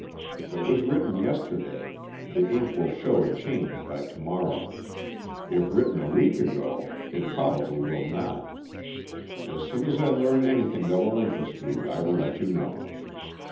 If it was written yesterday, the ink will show a change by to morrow. If written a week ago, it probably will not. As soon as I learn anything that will interest you, I will let you know."